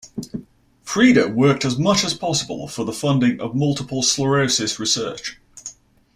Frieda worked as much as possible for the funding of multiple sclerosis research.